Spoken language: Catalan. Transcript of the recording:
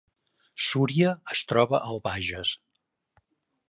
Súria es troba al Bages